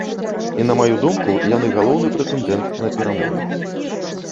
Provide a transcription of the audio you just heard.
І на маю думку, яны галоўны прэтэндэнт на перамогу.